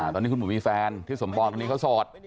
ตอนนี้คุณผมมีแฟนที่สมปองที่เขาสด